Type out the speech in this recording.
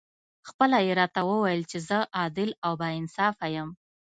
خپله یې راته وویل چې زه عادل او با انصافه یم.